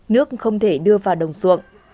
nước không thể đưa vào đồng xuộng